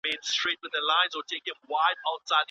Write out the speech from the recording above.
استادان په صنفونو کي څه ډول لارښوونې کوي؟